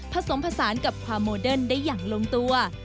ผสมผสานกับความโมเดิร์นได้อย่างลงตัว